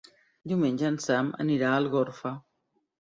Diumenge en Sam anirà a Algorfa.